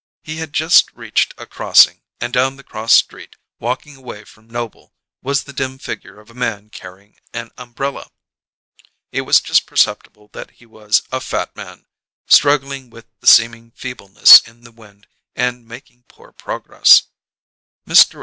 He had just reached a crossing, and down the cross street, walking away from Noble, was the dim figure of a man carrying an umbrella. It was just perceptible that he was a fat man, struggling with seeming feebleness in the wind and making poor progress. Mr.